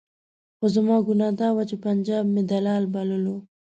خو زما ګناه دا وه چې پنجاب مې دلال بللو.